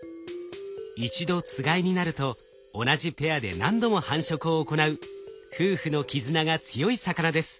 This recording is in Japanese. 一度つがいになると同じペアで何度も繁殖を行う夫婦の絆が強い魚です。